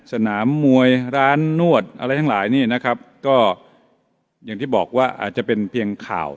สนามมวยร้านนวดอะไรทั้งหลายนี่นะครับก็อย่างที่บอกว่าอาจจะเป็นเพียงข่าว